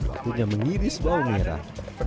akhirnya mengiris bawang merah